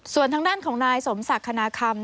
ส่วนทางด้านของนายสมศักดิ์คณาคำ